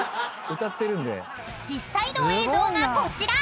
［実際の映像がこちら！］